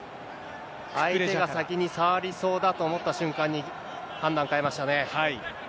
相手が先に触りそうだと思った瞬間に、判断変えましたね。